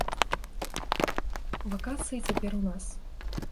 Вакацыі цяпер у нас.